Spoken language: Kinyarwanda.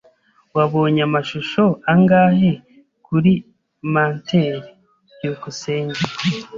Wabonye amashusho angahe kuri mantel? byukusenge